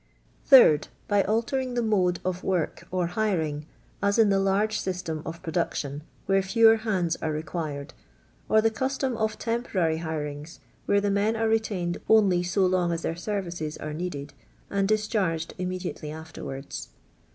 Srd. By altering the mode of work, or hiring, as in the "large system of production," where fewer hands are required ; or the custom of tem porary hirings, where the men are retained only so long as their services are needed, and discharged immediately afterwards.